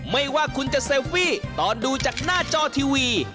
ไม่ว่าคุณจะเซลฟี่ตอนดูจากหน้าจอทีวี